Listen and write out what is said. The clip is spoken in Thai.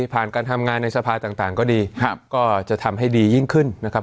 ผ่านการทำงานในสะพานต่างก็ดีก็จะทำให้ดียิ่งขึ้นนะครับ